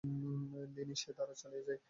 Linyi সেই ধারা চালিয়ে যায়।